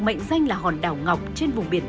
mệnh danh là hòn đảo ngọc trên vùng biển